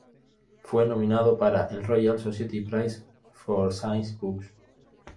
Fue nominado para el Royal Society Prize for Science Books.